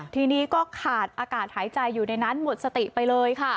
ทีนี้ก็ขาดอากาศหายใจอยู่ในนั้นหมดสติไปเลยค่ะ